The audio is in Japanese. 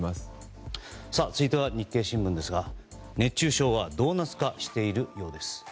続いては日経新聞ですが熱中症はドーナツ化しているようです。